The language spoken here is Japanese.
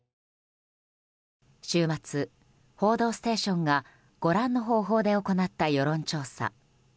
週末、「報道ステーション」がご覧の方法で行った世論調査。